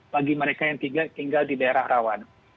bagi mereka yang tinggal di daerah rawan